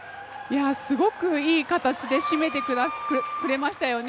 すごくいい形で締めてくれましたよね。